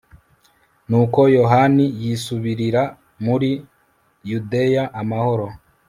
nuko yohani yisubirira muri yudeya amahoro